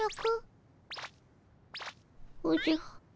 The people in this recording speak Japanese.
おじゃ。